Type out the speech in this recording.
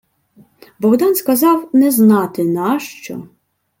Богдан сказав не знати нащо: